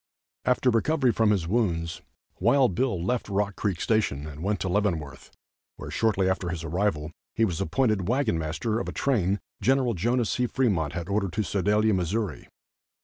After recovery from his wounds, Wild Bill left Rock Creek Station and went to Leavenworth, where shortly after his arrival, he was appointed wagon master of a train Gen. Jno. C. Fremont had ordered to Sedalia, Missouri.